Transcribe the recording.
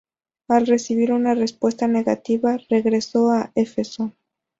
Al recibir una respuesta negativa, regresó a Éfeso.